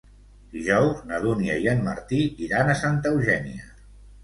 Dijous na Dúnia i en Martí iran a Santa Eugènia.